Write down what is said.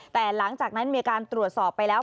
แต่หลังจากนั้นมีการตรวจสอบไปแล้ว